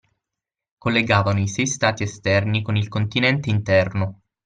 Collegavano i sei stati esterni con il continente interno.